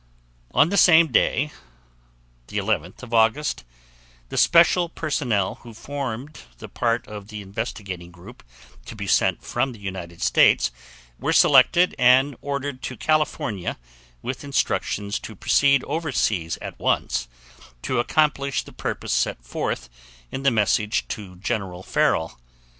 On the same day, 11 August, the special personnel who formed the part of the investigating group to be sent from the United States were selected and ordered to California with instructions to proceed overseas at once to accomplish the purposes set forth in the message to General Farrell.